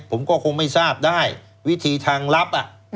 ผมก็คงไม่ทราบได้วิธีทางลับ